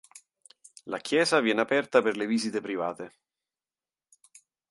La chiesa viene aperta per le visite private.